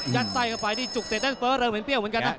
ยัดไส้เข้าไปที่จุกเส้นเต้นเฟ้อเริ่มเหมือนเปรี้ยวเหมือนกันนะ